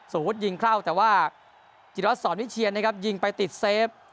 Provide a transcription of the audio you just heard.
ยิงเข้าแต่ว่าจิรัสสอนวิเชียนนะครับยิงไปติดเซฟ